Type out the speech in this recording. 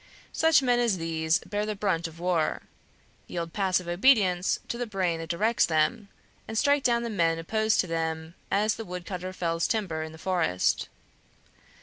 Such men as these bear the brunt of war, yield passive obedience to the brain that directs them, and strike down the men opposed to them as the woodcutter fells timber in the forest.